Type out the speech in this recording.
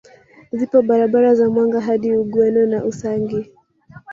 Zipo barabara za Mwanga hadi Ugweno na Usangi